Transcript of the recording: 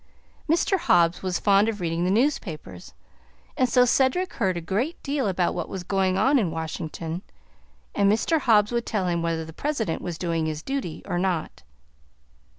Mr. Hobbs was fond of reading the newspapers, and so Cedric heard a great deal about what was going on in Washington; and Mr. Hobbs would tell him whether the President was doing his duty or not.